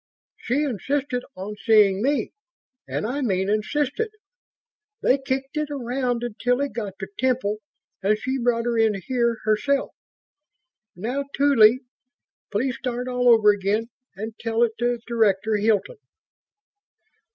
"She insisted on seeing me. And I mean insisted. They kicked it around until it got to Temple, and she brought her in here herself. Now, Tuly, please start all over again and tell it to Director Hilton."